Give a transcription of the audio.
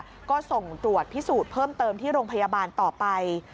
แล้วก็ส่งตรวจพิสูจน์เพิ่มเติมที่โรงพยาบาลต่อไป